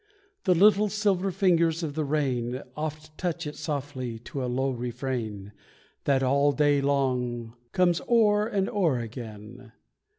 The little silver fingers of the rain Oft touch it softly to a low refrain, That all day long comes o'er and o'er again.